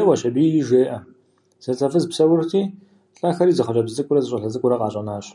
Еуэщ аби, жеӏэ: зэлӏзэфыз псэурти, лӏэхэри зы хъыджэбз цӏыкӏурэ зы щӏалэ цӏыкӏурэ къащӏэнащ.